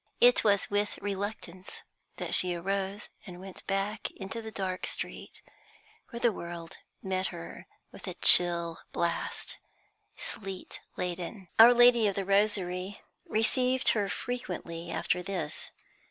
It was with reluctance that she arose and went back into the dark street, where the world met her with a chill blast, sleet laden. Our Lady of the Rosary received her frequently after this.